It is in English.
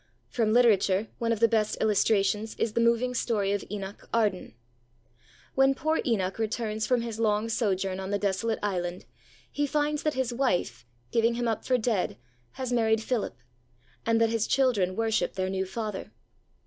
From literature, one of the best illustrations is the moving story of Enoch Arden. When poor Enoch returns from his long sojourn on the desolate island, he finds that his wife, giving him up for dead, has married Philip, and that his children worship their new father.